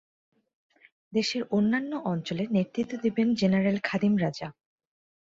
দেশের অন্যান্য অঞ্চলে নেতৃত্ব দিবেন জেনারেল খাদিম রাজা।